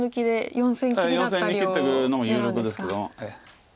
４線に切っていくのも有力ですけども。